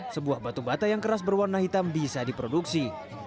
sebuah batu bata yang keras berwarna hitam bisa diproduksi